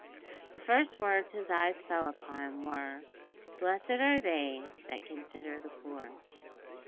The first words his eyes fell upon were, "Blessed are they that consider the poor."